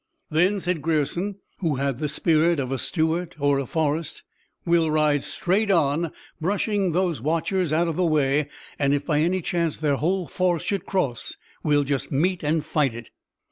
"Then," said Grierson, who had the spirit of a Stuart or a Forrest, "we'll ride straight on, brushing these watchers out of our way, and if by any chance their whole force should cross, we'll just meet and fight it."